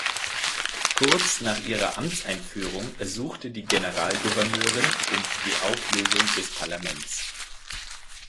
Kurz nach ihrer Amtseinführung ersuchte sie die Generalgouverneurin um die Auflösung des Parlaments.